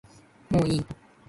もういい